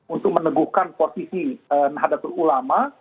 untuk meneguhkan posisi nahdlatul ulama